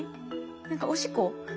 何かおしっこ？